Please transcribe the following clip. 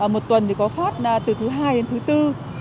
một tuần thì có phát từ thứ hai đến thứ bốn